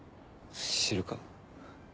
知るか。